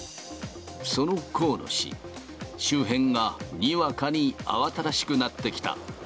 その河野氏、周辺がにわかに慌ただしくなってきた。